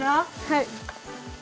はい。